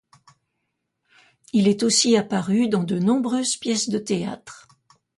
Il est aussi apparu dans de nombreuses pièces de théâtre.